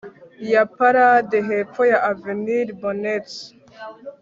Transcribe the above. ya parade hepfo ya Avenue bonnets